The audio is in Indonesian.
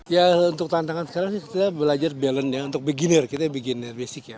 ya untuk tantangan sekarang kita belajar balance untuk beginner kita beginner basic ya